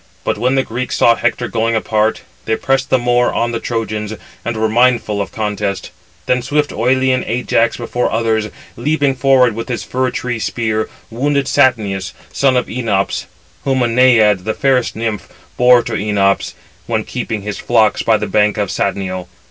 But when the Greeks saw Hector going apart, they pressed the more on the Trojans, and were mindful of contest. Then swift Oïlean Ajax before others, leaping forward with his fir tree spear, wounded Satnius, son of Enops, whom a Naiad, the fairest nymph, bore to Enops, when keeping his flocks by the banks of Satnio.